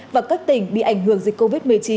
và các tỉnh bị ảnh hưởng dịch covid một mươi chín